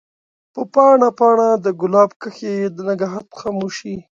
په پاڼه ، پاڼه دګلاب کښي د نګهت خاموشی